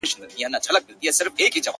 داسي زور نه وو چي نه یې وي منلي-